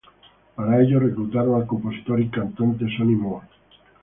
Para ello, reclutaron al compositor y cantante Sonny More.